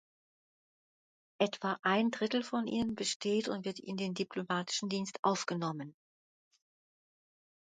Etwa ein Drittel von ihnen besteht und wird in den diplomatischen Dienst aufgenommen.